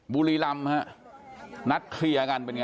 บุรีรำฮะนัดเคลียร์กันเป็นไง